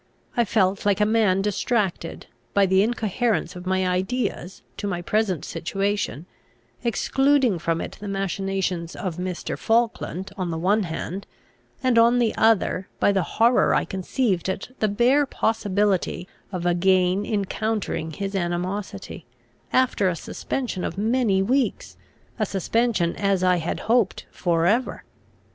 I felt like a man distracted, by the incoherence of my ideas to my present situation, excluding from it the machinations of Mr. Falkland, on the one hand; and on the other, by the horror I conceived at the bare possibility of again encountering his animosity, after a suspension of many weeks, a suspension as I had hoped for ever.